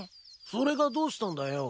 それがどうしたんだよ。